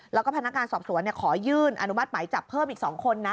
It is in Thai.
แล้วก็พนักงานสอบสวนขอยื่นอนุมัติหมายจับเพิ่มอีก๒คนนะ